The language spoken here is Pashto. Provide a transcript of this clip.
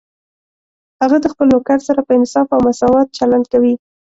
هغه د خپل نوکر سره په انصاف او مساوات چلند کوي